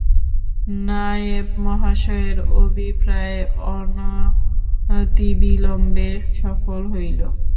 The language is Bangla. নায়েব মহাশয়ের অভিপ্রায় অনতিবিলম্বে সফল হইল।